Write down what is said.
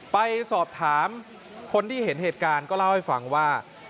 ไปสอบถามคนที่เห็นเหตุการณ์ก็เล่าให้ฟังว่า